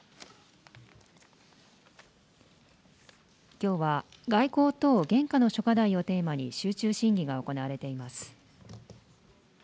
きょうは外交等現下の諸課題をテーマに、集中審議が行われています。